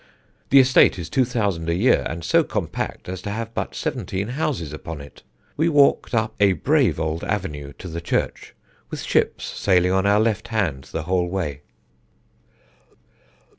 The estate is two thousand a year, and so compact as to have but seventeen houses upon it. We walked up a brave old avenue to the church, with ships sailing on our left hand the whole way."